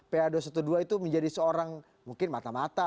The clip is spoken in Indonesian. pa dua ratus dua belas itu menjadi seorang mungkin mata mata